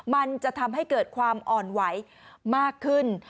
มันจะทำให้เกิดความอ่อนไหวมากขึ้น